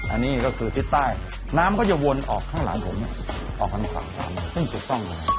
อันนี้ก็คือทิศใต้น้ำก็จะวนออกข้างหลังผมออกทางฝั่งซึ่งถูกต้องเลย